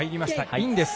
インです。